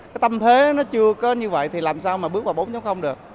cái tâm thế nó chưa có như vậy thì làm sao mà bước vào bốn được